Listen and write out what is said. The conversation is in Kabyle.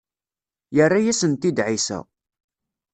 Yerra-asent-d ɛisa.